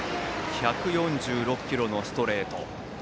１４６キロのストレート。